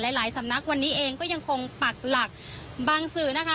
หลายหลายสำนักวันนี้เองก็ยังคงปักหลักบางสื่อนะคะ